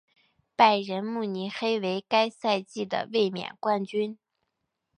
拜仁慕尼黑为该赛季的卫冕冠军。